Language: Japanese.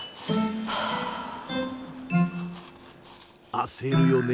焦るよね。